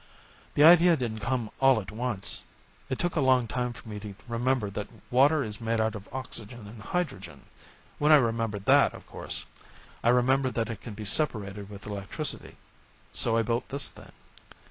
"The idea didn't come all at once, it took a long time for me to remember that water is made out of oxygen and hydrogen. When I remembered that, of course, I remembered that it can be separated with electricity. So I built this thing.